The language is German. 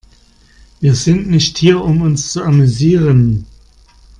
Wir sind nicht hier, um uns zu amüsieren.